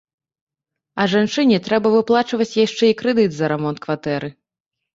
А жанчыне трэба выплачваць яшчэ і крэдыт за рамонт кватэры.